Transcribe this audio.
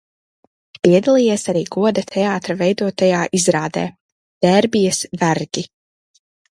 "Piedalījies arī Goda teātra veidotajā izrādē "Dērbijas vergi"."